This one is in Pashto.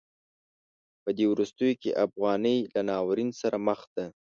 په دې وروستیو کې افغانۍ له ناورین سره مخ ده.